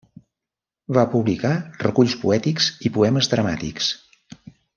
Va publicar reculls poètics i poemes dramàtics.